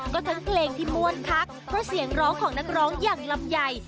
ก็ทั้งเพลงที่ม่วนคักเพราะเสียงร้องของนักร้องอย่างลำไย